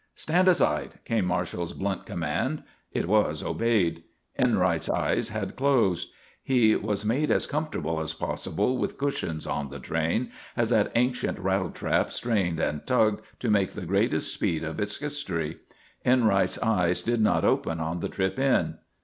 "Stand aside!" came Marshall's blunt command. It was obeyed. Enright's eyes had closed. He was made as comfortable as possible with cushions on the train, as that ancient rattle trap strained and tugged to make the greatest speed of its history. Enright's eyes did not open on the trip in.